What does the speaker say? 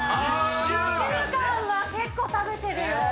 １週間は結構、食べてるよ。